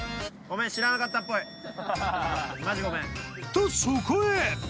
［とそこへ］